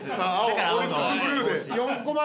オリックスブルーで。